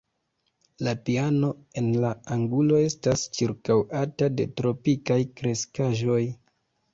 La piano en la angulo estas ĉirkaŭata de tropikaj kreskaĵoj.